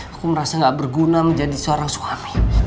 aku merasa gak berguna menjadi seorang suami